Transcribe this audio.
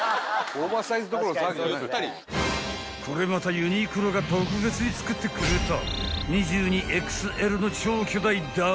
［これまたユニクロが特別に作ってくれた］